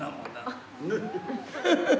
ハハハハ！